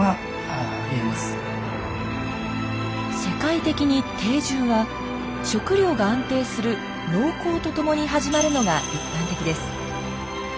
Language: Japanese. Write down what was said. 世界的に定住は食料が安定する農耕とともに始まるのが一般的です。